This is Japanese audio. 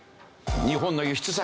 日本の輸出先。